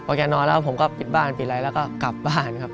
แกนอนแล้วผมก็ปิดบ้านปิดอะไรแล้วก็กลับบ้านครับ